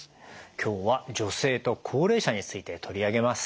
今日は女性と高齢者について取り上げます。